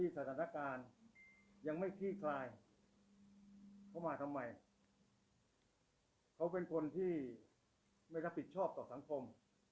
สถานการณ์ยังไม่ขี้คลายเขามาทำไมเขาเป็นคนที่ไม่รับผิดชอบต่อสังคม